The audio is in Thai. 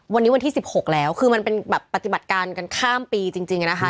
วันนี้วันที่๑๖แล้วคือมันเป็นแบบปฏิบัติการกันข้ามปีจริงนะคะ